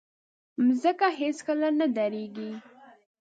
مځکه هیڅکله نه دریږي.